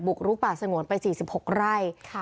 บุกลูกป่าสงวนไปสี่สิบหกไร่ค่ะ